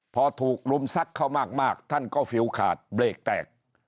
พอถูกรุมซักเข้ามากท่านก็ฟิลขาดเบรกแตก